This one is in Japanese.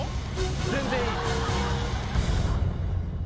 全然いい。